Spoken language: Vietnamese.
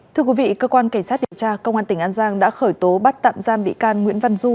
thưa quý vị cơ quan cảnh sát điều tra công an tỉnh an giang đã khởi tố bắt tạm giam bị can nguyễn văn du